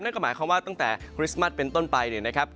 นั่นก็หมายความว่าตั้งแต่คริสต์มัสเป็นต้นไปเนี่ยนะครับ